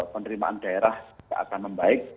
penerimaan daerah akan membaik